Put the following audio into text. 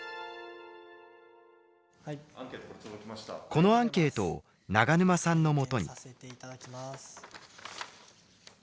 このアンケートを永沼さんのもとに。